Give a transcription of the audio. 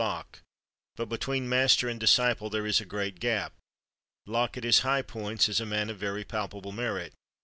Locke. But between master and disciple there is a great gap. Locke, at his high points, is a man of very palpable merit.